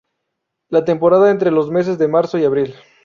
La temporada entre los meses de marzo y abril.